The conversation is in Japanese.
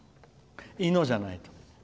いのじゃないと。